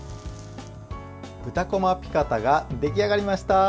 豚こまピカタが出来上がりました。